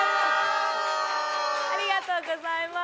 ありがとうございます！